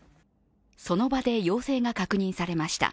その場で陽性が確認されました。